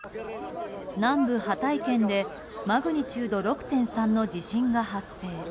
南部ハタイ県でマグニチュード６．３の地震が発生。